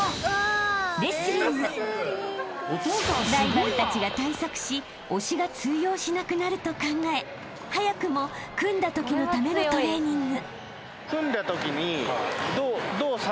［ライバルたちが対策し押しが通用しなくなると考え早くも組んだときのためのトレーニング］